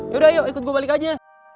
yaudah yuk ikut gue balik aja